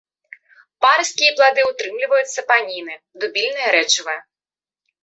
Парасткі і плады ўтрымліваюць сапаніны, дубільныя рэчывы.